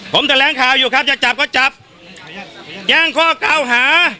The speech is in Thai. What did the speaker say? ผมแถลงข่าวอยู่ครับจะจับก็จับแย่งข้อเก้าหา